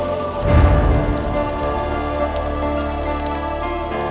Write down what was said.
kakak dinda secepat ini pergi meninggalkan dinda